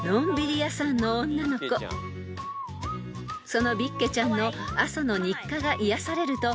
［そのビッケちゃんの朝の日課が癒やされると］